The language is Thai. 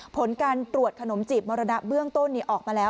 ผลการตรวจขนมจีบมรณะเบื้องต้นออกมาแล้ว